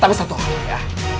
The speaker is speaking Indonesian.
tapi satu hal ya